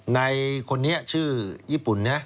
ในคนนี้ชื่อญี่ปุ่นนะ